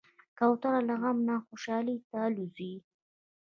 کوتره له غم نه خوشحالي ته الوزي.